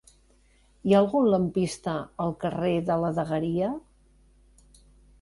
Hi ha algun lampista al carrer de la Dagueria?